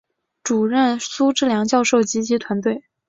主任苏智良教授及其团队